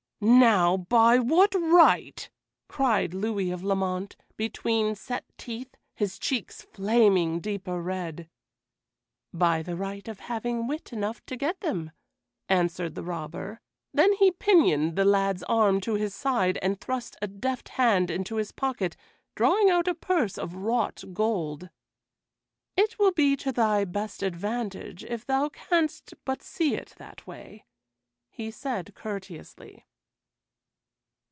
"Now, by what right?" cried Louis of Lamont, between set teeth, his cheeks flaming deeper red. "By the right of having wit enough to get them," answered the robber. Then he pinioned the lad's arm to his side and thrust a deft hand into his pocket, drawing out a purse of wrought gold. "It will be to thy best advantage if thou canst but see it that way," he said courteously.